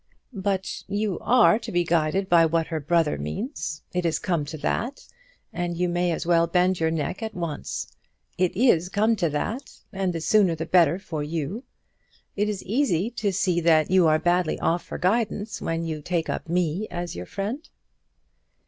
"But you are to be guided by what her brother means. It is to come to that, and you may as well bend your neck at once. It is to come to that, and the sooner the better for you. It is easy to see that you are badly off for guidance when you take up me as your friend."